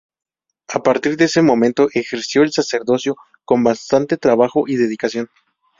A partir de ese momento, ejerció el sacerdocio con bastante trabajo y dedicación.